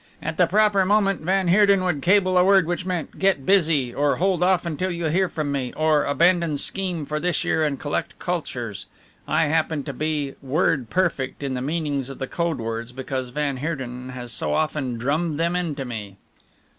At the proper moment van Heerden would cable a word which meant 'Get busy' or 'Hold off until you hear from me,' or 'Abandon scheme for this year and collect cultures.' I happen to be word perfect in the meanings of the code words because van Heerden has so often drummed them into me."